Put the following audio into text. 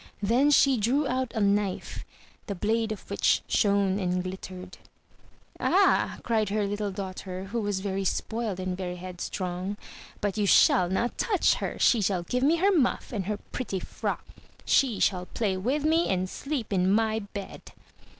Then she drew out a knife, the blade of which shone and glittered. "Ah," cried her Uttle daughter who was very spoiled and very headstrong, "but you shall not touch her. She shall give me her muff, and her pretty frock! She shall play with me and sleep in my bed!"